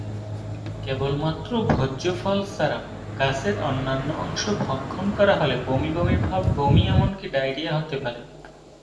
কেবলমাত্র ভোজ্য ফল ছাড়া গাছের অন্যান্য অংশ ভক্ষণ করা হলে বমি বমি ভাব, বমি, এমনকি ডায়রিয়া হতে পারে।